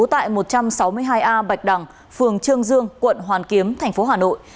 tại một trăm sáu mươi hai a bạch đằng phường trương dương quận hoàn kiếm tp hà nội